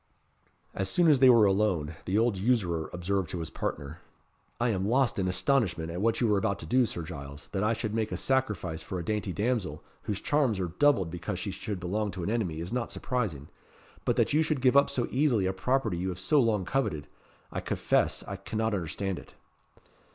As soon as they were alone, the old usurer observed to his partner "I am lost in astonishment at what you are about to do, Sir Giles. That I should make a sacrifice for a dainty damsel, whose charms are doubled because she should belong to an enemy, is not surprising; but that you should give up so easily a property you have so long coveted I confess I cannot understand it."